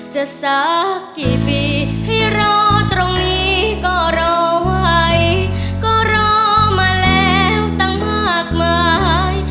สักกี่ปีให้รอตรงนี้ก็รอไว้ก็รอมาแล้วตั้งมากมาย